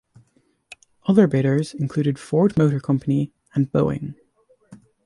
Other bidders included Ford Motor Company and Boeing.